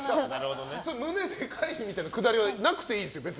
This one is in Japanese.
胸でかいみたいなくだりはなくていいですよ。